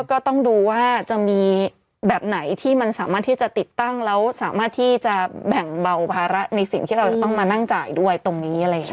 ก็ต้องดูว่าจะมีแบบไหนที่มันสามารถที่จะติดตั้งแล้วสามารถที่จะแบ่งเบาภาระในสิ่งที่เราจะต้องมานั่งจ่ายด้วยตรงนี้อะไรอย่างนี้